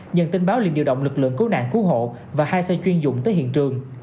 nhận tin báo liền điều động lực lượng cứu nạn cứu hộ và hai xe chuyên dụng tới hiện trường